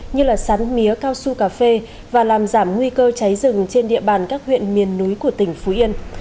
như sắn mía cao su cà phê và làm giảm nguy cơ cháy rừng trên địa bàn các huyện miền núi của tỉnh phú yên